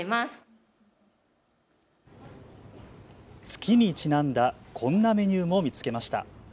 月にちなんだこんなメニューも見つけました。